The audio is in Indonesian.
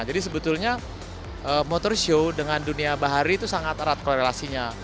sebetulnya motor show dengan dunia bahari itu sangat erat korelasinya